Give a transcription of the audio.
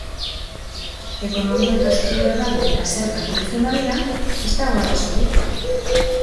Ekonomiak hazkundea badu eta zergak biltzen badira, ez dago arazorik.